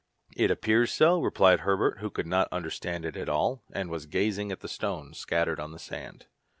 "It appears so," replied Herbert, who could not understand it at all, and was gazing at the stones scattered on the sand.